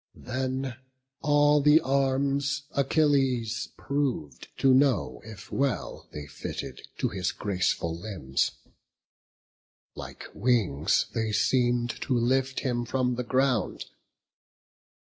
Then all the arms Achilles prov'd, to know If well they fitted to his graceful limbs: Like wings, they seem'd to lift him from the ground.